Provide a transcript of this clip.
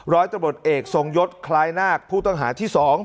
ร้อยตำรวจเอกทรงยศคล้ายนาคผู้ต้องหาที่๒